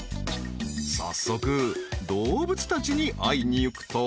［早速動物たちに会いに行くと］